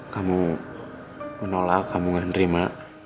kamu menolak kamu gak nerima